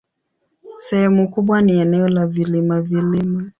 Sehemu kubwa ni eneo la vilima-vilima.